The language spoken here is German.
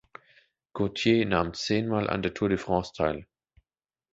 Gauthier nahm zehnmal an der Tour de France teil.